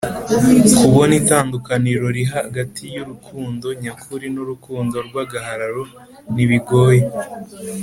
kubona itandukaniro riri hagati y’urukundo nyakuri n’urukundo rw’agahararo ntibigoye.